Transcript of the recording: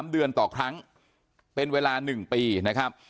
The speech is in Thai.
๓เดือนต่อครั้งเป็นเวลา๑ปีนะครับ